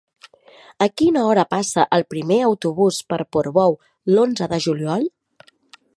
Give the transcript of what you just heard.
A quina hora passa el primer autobús per Portbou l'onze de juliol?